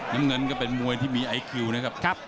น้ำเงินก็เป็นมวยที่มีไอคิวนะครับ